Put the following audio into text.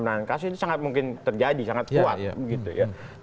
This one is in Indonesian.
menanganan kasus itu sangat mungkin terjadi sangat kuat